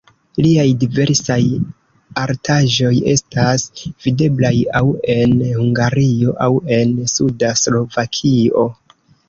Liaj diversaj artaĵoj estas videblaj aŭ en Hungario, aŭ en suda Slovakio.